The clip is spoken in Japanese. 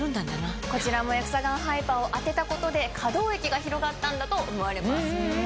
こちらもエクサガンハイパーをあてたことで可動域が広がったんだと思われます。